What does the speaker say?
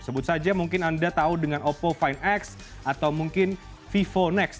sebut saja mungkin anda tahu dengan oppo lima x atau mungkin vivo next